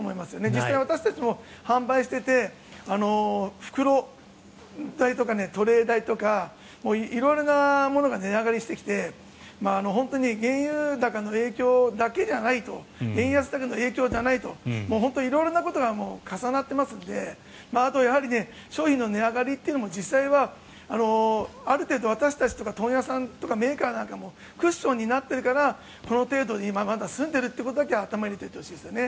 実際、私たちも販売していて袋代とかトレー代とか色々なものが値上がりしてきて本当に原油高の影響だけじゃないと円安の影響だけじゃないと本当、色々なことが重なっていますのであとは商品の値上がりというのも実際はある程度私たちとか問屋さんとかメーカーさんもクッションになっているからこの程度で済んでいるということを頭に入れておいてほしいですね。